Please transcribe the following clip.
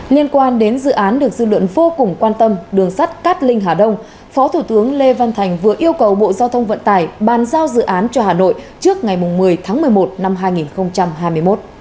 liên quan đến dự án được dư luận vô cùng quan tâm đường sắt cát linh hà đông phó thủ tướng lê văn thành vừa yêu cầu bộ giao thông vận tải bàn giao dự án cho hà nội trước ngày một mươi tháng một mươi một năm hai nghìn hai mươi một